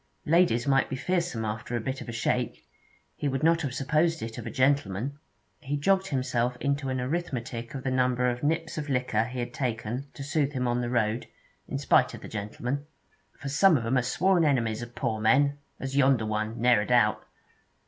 Ladies might be fearsome after a bit of a shake; he would not have supposed it of a gentleman. He jogged himself into an arithmetic of the number of nips of liquor he had taken to soothe him on the road, in spite of the gentleman. 'For some of 'em are sworn enemies of poor men, as yonder one, ne'er a doubt.'